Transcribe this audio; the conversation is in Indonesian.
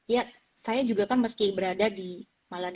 ya saya juga kan meski berada di malades